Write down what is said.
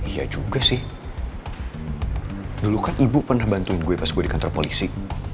iya juga sih dulu kan ibu pernah bantuin gue pas gue di kantor polisi